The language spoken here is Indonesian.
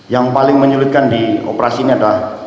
yang paling menyulitkan di operasi ini adalah